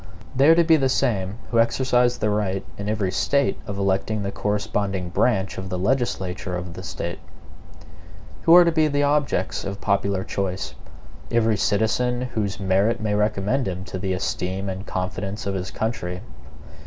They are to be the same who exercise the right in every State of electing the corresponding branch of the legislature of the State. Who are to be the objects of popular choice? Every citizen whose merit may recommend him to the esteem and confidence of his country.